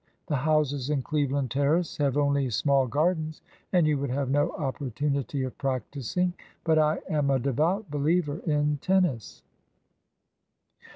The houses in Cleveland Terrace have only small gardens, and you would have no opportunity of practising; but I am a devout believer in tennis."